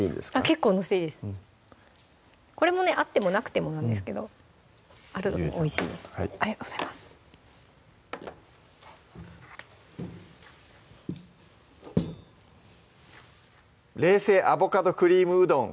結構載せていいですこれもねあってもなくてもなんですけどあるとおいしいですありがとうございます「冷製アボカドクリームうどん」